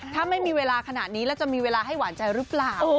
ถ้าไม่มีเวลาขนาดนี้แล้วจะมีเวลาให้หวานใจหรือเปล่า